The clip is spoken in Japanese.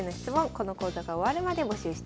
この講座が終わるまで募集しています。